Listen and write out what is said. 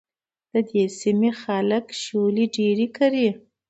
د دې سيمې خلک شولې ډېرې کري.